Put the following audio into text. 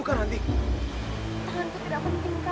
itu juga tak stuk